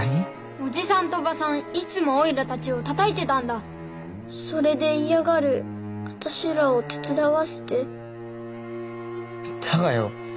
おじさんとおばさんいつもおいらたちをたたいてたんだそれで嫌がるあたしらを手伝わせてだがよ